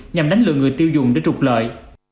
nhằm đánh lừa người tiêu dùng để trục lợi